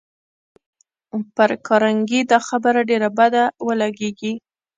ښایي پر کارنګي دا خبره ډېره بده ولګېږي